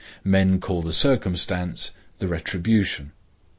Men call the circumstance the retribution.